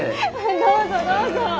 どうぞどうぞ！